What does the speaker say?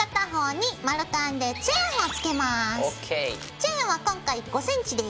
チェーンは今回５ｃｍです。